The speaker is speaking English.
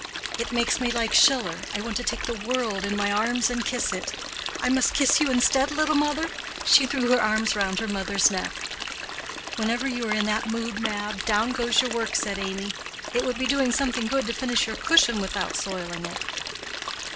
It makes me like Schiller—I want to take the world in my arms and kiss it. I must kiss you instead, little mother!" She threw her arms round her mother's neck. "Whenever you are in that mood, Mab, down goes your work," said Amy. "It would be doing something good to finish your cushion without soiling it."